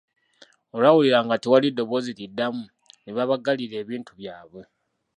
Olwawulira nga tewali ddoboozi liddamu ne babagalira ebintu byabwe.